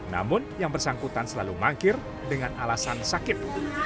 namun yang bersangkutan selalu mangkir dengan alasan sakit